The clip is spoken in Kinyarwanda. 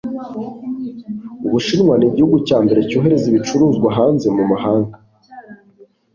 Ubushinwa n'igihugu cya mbere cyohereza ibicuruzwa hanze mu mahanga.